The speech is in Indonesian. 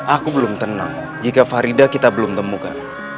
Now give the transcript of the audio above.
aku belum tenang jika farida kita belum temukan